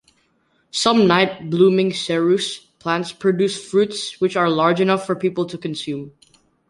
Some night-blooming cereus plants produce fruits which are large enough for people to consume.